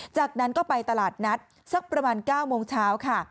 จากนั้นก็ไปตลาดนัดสักประมาณ๙โมงเช้าค่ะ